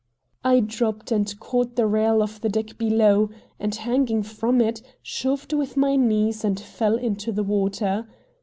I dropped and caught the rail of the deck below, and, hanging from it, shoved with my knees and fell into the water.